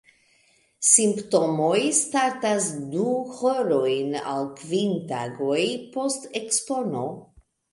Simptomoj startas du horojn al kvin tagoj post ekspono.